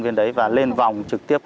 viên đấy và lên vòng trực tiếp